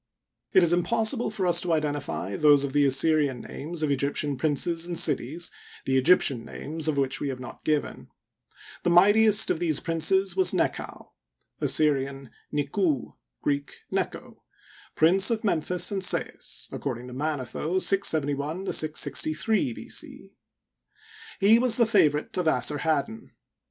It is impossible for us to identify those of the Assyrian names of Egyptian princes and cities, the Egyptian names of which we have not given. The mightiest of thesie princes was Nekau (Assyrian Niku u, Greek Necho), Prince of Memphis and Sais (according to Manetho, 671 663 B. C). He was the favorite of Assarhaddon.